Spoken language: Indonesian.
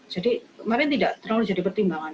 jadi mungkin tidak terlalu jadi pertimbangan